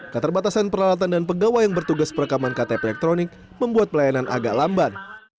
keterbatasan peralatan dan pegawai yang bertugas perekaman ktp elektronik membuat pelayanan agak lamban